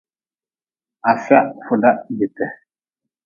Afia fuda jite.